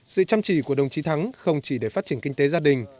sự chăm chỉ của đồng chí thắng không chỉ để phát triển kinh tế gia đình